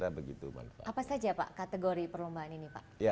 apa saja pak kategori perlombaan ini pak